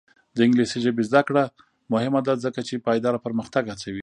د انګلیسي ژبې زده کړه مهمه ده ځکه چې پایداره پرمختګ هڅوي.